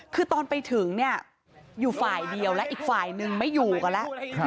คือตอนไปถึงเนี่ยอยู่ฝ่ายเดียวและอีกฝ่ายนึงไม่อยู่กันแล้ว